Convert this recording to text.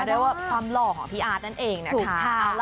เรียกว่าความหล่อของพี่อาร์ตนั่นเองนะคะ